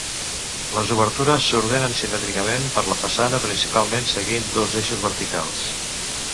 Les obertures s'ordenen simètricament per la façana principal seguint dos eixos verticals.